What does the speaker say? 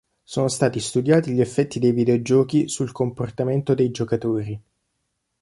Sono stati studiati gli effetti dei videogiochi sul comportamento dei giocatori.